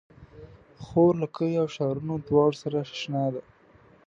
خور له کليو او ښارونو دواړو سره اشنا ده.